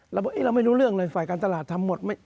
เราบอกเราไม่รู้เรื่องเลยฝ่ายการตลาดทำหมด